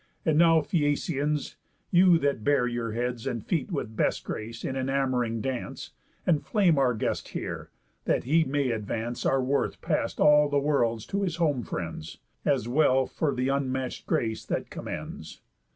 And now, Phæacians, you that bear your heads And feet with best grace in enamouring dance, Enflame our guest here, that he may advance Our worth past all the world's to his home friends, As well for the unmatch'd grace that commends.